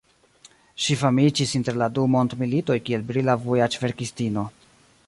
Ŝi famiĝis inter la du mondmilitoj kiel brila vojaĝverkistino.